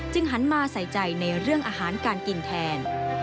หันมาใส่ใจในเรื่องอาหารการกินแทน